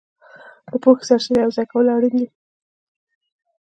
د پوهې سرچینې یوځای کول اړین دي.